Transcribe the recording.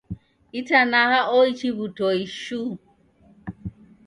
Itanaha oichi w'utoi shuu